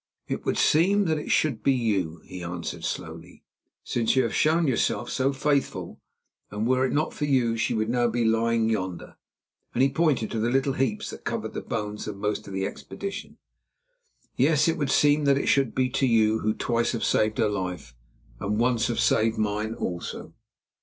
"It would seem that it should be to you," he answered slowly, "since you have shown yourself so faithful, and were it not for you she would now be lying yonder," and he pointed to the little heaps that covered the bones of most of the expedition. "Yes, yes, it would seem that it should be to you, who twice have saved her life and once have saved mine also."